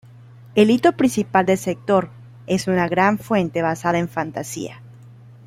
El hito principal del sector, es una gran fuente basada en "Fantasía".